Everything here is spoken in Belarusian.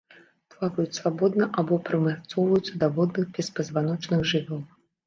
Плаваюць свабодна або прымацоўваюцца да водных беспазваночных жывёл.